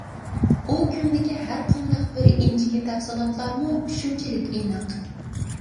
ئۇ كۈندىكى ھەرقانداق بىر ئىنچىكە تەپسىلاتلارمۇ شۇنچىلىك ئېنىق.